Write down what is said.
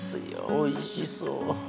おいしそう。